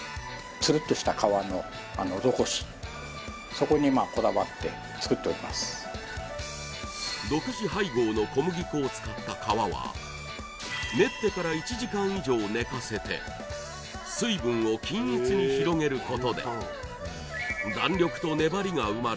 そこにまあこだわって作っておりますを使った皮は練ってから１時間以上寝かせて水分を均一に広げることで弾力と粘りが生まれ